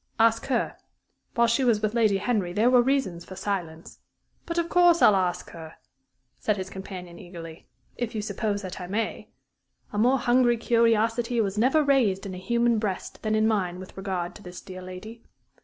Ask her. While she was with Lady Henry there were reasons for silence " "But, of course, I'll ask her," said his companion, eagerly, "if you suppose that I may. A more hungry curiosity was never raised in a human breast than in mine with regard to this dear lady.